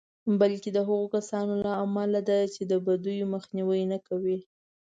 بلکې د هغو کسانو له امله ده چې د بدیو مخنیوی نه کوي.